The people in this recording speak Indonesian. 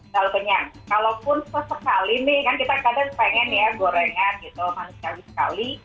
kalau kenyang kalaupun sesekali nih kan kita kadang pengen ya gorengan gitu manusiawi sekali